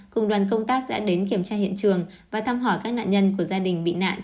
cùng đoàn công tác đã đến kiểm tra hiện trường và thăm hỏi các nạn nhân của gia đình bị nạn